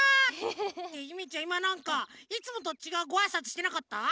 いまなんかいつもとちがうごあいさつしてなかった？